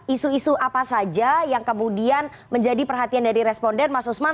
isu isu apa saja yang kemudian menjadi perhatian dari responden mas usman